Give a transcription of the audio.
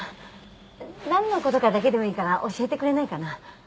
なんの事かだけでもいいから教えてくれないかな？